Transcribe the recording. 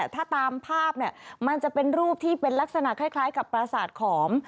ถ้าตามภาพมันจะเป็นรูปที่เป็นลักษณะคล้ายกับประสาทขอม